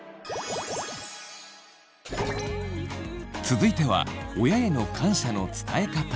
続いては親への感謝の伝え方。